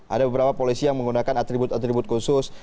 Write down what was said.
ada beberapa polisi yang menggunakan atribut atribut khusus